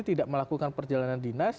tidak melakukan perjalanan dinas